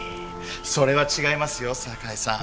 それは違いますよ堺さん。